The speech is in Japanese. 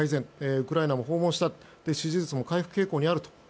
ウクライナも訪問した支持率も回復傾向にあると。